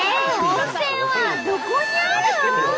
温泉はどこにあるん？